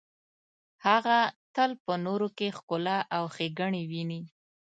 هغه تل په نورو کې ښکلا او ښیګڼې ویني.